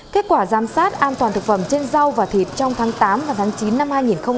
kết quả giám sát an toàn thực phẩm trên rau và thịt trong tháng tám và tháng chín năm hai nghìn hai mươi ba